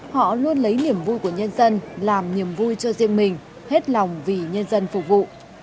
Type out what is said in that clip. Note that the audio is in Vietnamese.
họ luôn lấy niềm vui của nhân dân làm niềm vui cho riêng mình hết lòng vì nhân dân phục vụ